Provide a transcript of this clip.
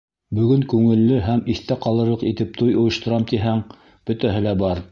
Бөгөн күңелле һәм иҫтә ҡалырлыҡ итеп туй ойошторам тиһәң — бөтәһе лә бар.